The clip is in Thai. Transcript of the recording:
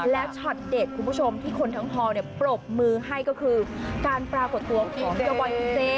แล้วช็อตเด็ดคุณผู้ชมที่คนทั้งฮอลปรบมือให้ก็คือการปรากฏตัวของเจ้าบอยคุณเซ